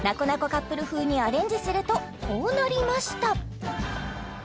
カップル風にアレンジするとこうなりました